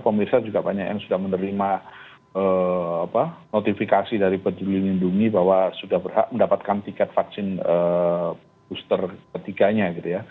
pemirsa juga banyak yang sudah menerima notifikasi dari peduli lindungi bahwa sudah berhak mendapatkan tiket vaksin booster ketiganya gitu ya